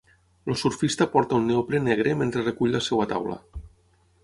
El surfista porta un neoprè negre mentre recull la seva taula.